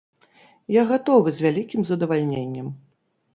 Я гатовы з вялікім задавальненнем.